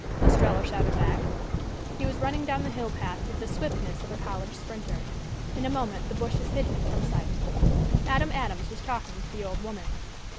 Ostrello shouted back. He was running down the hill path with the swiftness of a college sprinter. In a moment the bushes hid him from sight. Adam Adams was talking to the old woman.